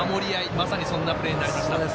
まさにそんなプレーになりました。